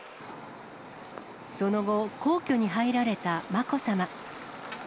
その後、皇居に入られたまこさま。